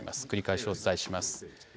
繰り返しお伝えします。